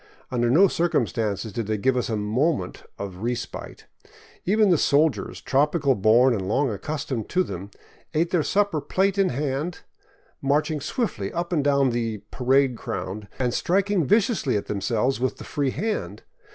Under no circumstances did they give us a moment of respite. Even the sol diers, tropical born and long accustomed to them, ate their supper plate in hand, marching swiftly up and down the " parade ground " and striking viciously at themselves with the free hand.